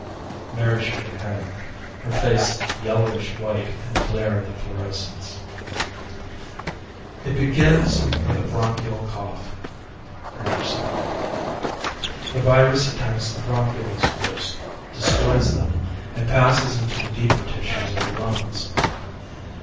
Mary shook her head, her face yellowish white in the glare of the fluorescents. "It begins with a bronchial cough," Kramer said. "The virus attacks the bronchioles first, destroys them, and passes into the deeper tissues of the lungs.